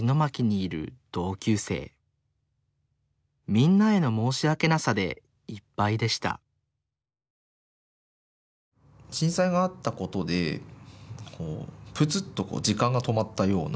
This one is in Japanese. みんなへの申し訳なさでいっぱいでした震災があったことでこうぷつっと時間が止まったような。